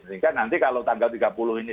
sehingga nanti kalau tanggal tiga puluh ini